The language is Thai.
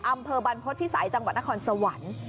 อำเภอบรรพฤษภิษัยจังหวัดนครสวรรค์